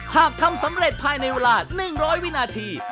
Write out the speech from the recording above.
หากทำสำเร็จภายในเวลา๑๐๐วินาที